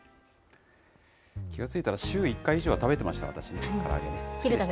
気が付いたら週１回以上は食べてました、私、から揚げ。